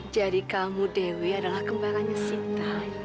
jadi kamu dewi adalah kemarahnya sita